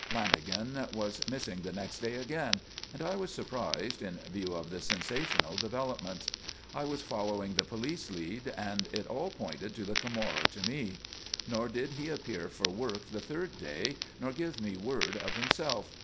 Lanagan was missing the next day again, and I was surprised, in view of the sensational developments. I was following the police lead and it all pointed to the Camorra to me. Nor did he appear for work the third day nor give me word of himself.